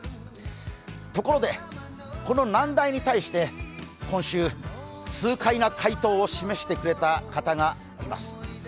ところで、この難題に対して今週、痛快な回答を示してくれた人がいます。